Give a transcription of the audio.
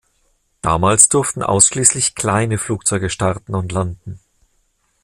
Damals durften ausschließlich kleine Flugzeuge starten und landen.